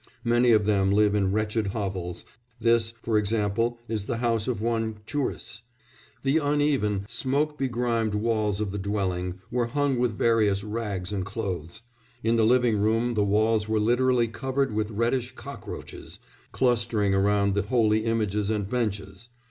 Many of them live in wretched hovels this, for example, is the house of one Churis: "The uneven, smoke begrimed walls of the dwelling were hung with various rags and clothes; in the living room the walls were literally covered with reddish cockroaches, clustering around the holy images and benches....